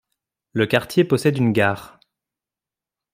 Le quartier possède une gare.